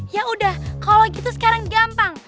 ya udah kalau gitu sekarang gampang